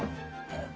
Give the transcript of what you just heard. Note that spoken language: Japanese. えっ？